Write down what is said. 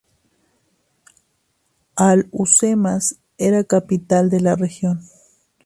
Alhucemas era la capital de la región.